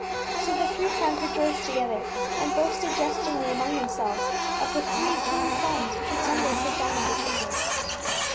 So the three friends rejoiced to gether, and boasted jest ingly among themselves of the three kingsŌĆÖ sons who should some day sit down at their tables.